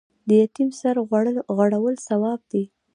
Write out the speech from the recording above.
د یتیم سر غوړول ثواب دی